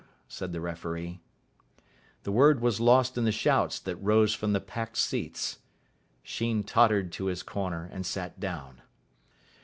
said the referee. The word was lost in the shouts that rose from the packed seats. Sheen tottered to his corner and sat down.